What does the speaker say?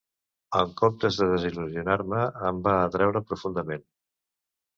En comptes de desil·lusionar-me, em va atreure profundament